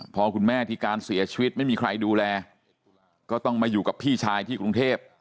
พอคุณแม่ที่การเสียชีวิตไม่มีใครดูแลก็ต้องมาอยู่กับพี่ชายที่กรุงเทพ